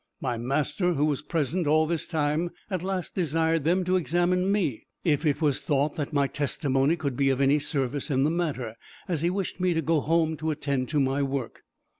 My master, who was present all this time, at last desired them to examine me, if it was thought that my testimony could be of any service in the matter, as he wished me to go home to attend to my work.